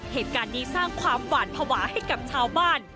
เหตุการณ์นี้สร้างความหวาดภาวะให้กับชาวบ้าน